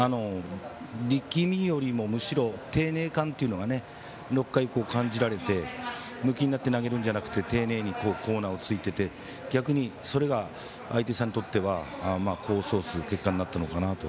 力みよりもむしろ丁寧感というのが６回以降感じられてむきになって投げるんじゃなくて丁寧にコーナーを突いていて逆手にそれは相手さんにとっては功を奏する結果になったのかなと。